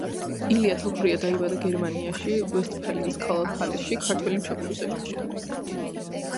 ილია თოფურია დაიბადა გერმანიაში, ვესტფალიის ქალაქ ჰალეში, ქართველი მშობლების ოჯახში.